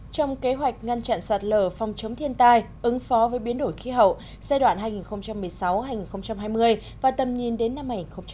trong kế hoạch ngăn chặn sạt lở phòng chống thiên tai ứng phó với biến đổi khí hậu giai đoạn hai nghìn một mươi sáu hai nghìn hai mươi và tầm nhìn đến năm hai nghìn ba mươi